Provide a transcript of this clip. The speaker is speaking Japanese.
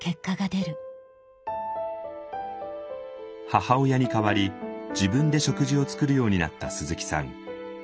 母親に代わり自分で食事を作るようになった鈴木さん。